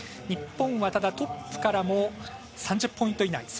日本は、ただトップからも３０ポイント以内。